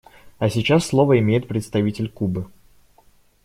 А сейчас слово имеет представитель Кубы.